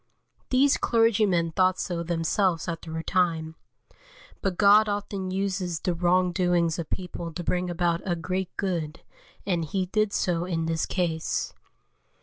These clergymen thought so themselves after a time; but God often uses the wrong doings of people to bring about a great good, and He did so in this case.